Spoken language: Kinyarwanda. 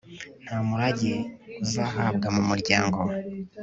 nta murage uzahabwa mu muryango